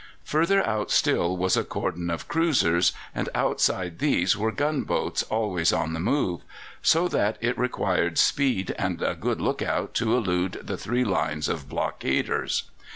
Further out still was a cordon of cruisers, and outside these were gunboats always on the move; so that it required speed and a good look out to elude the three lines of blockaders.